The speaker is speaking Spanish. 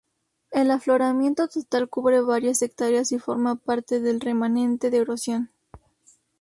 El afloramiento total cubre varias hectáreas y forma parte del remanente de erosión.